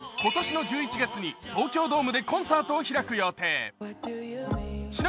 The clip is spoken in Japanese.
実はジャスティン、今年の１１月に東京ドームでコンサートを開く予定。